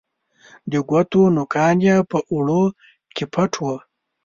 د ګوتو نوکان یې په اوړو کې پټ وه